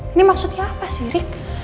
ini maksudnya apa sih rick